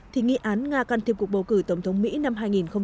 thì nghị án nga can thiệp cuộc bầu cử tổng thống mỹ năm hai nghìn một mươi sáu